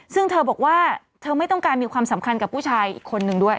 ซึ่งเธอบอกว่าเธอไม่ต้องการมีความสำคัญกับผู้ชายอีกคนนึงด้วย